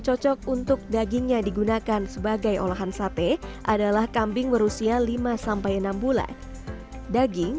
cocok untuk dagingnya digunakan sebagai olahan sate adalah kambing berusia lima sampai enam bulan daging